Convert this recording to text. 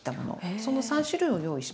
その３種類を用意します。